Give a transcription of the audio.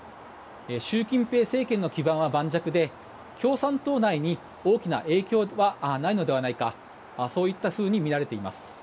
習近平政権の基盤は盤石で共産党内に大きな影響はないのではないかそういったふうにみられています。